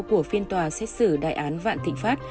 của phiên tòa xét xử đại án vạn thịnh pháp